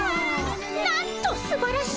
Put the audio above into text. なんとすばらしい！